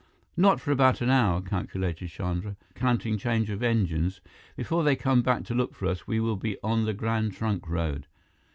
"Not for about an hour," calculated Chandra, "counting change of engines. Before they come back to look for us, we will be on the Grand Trunk Road."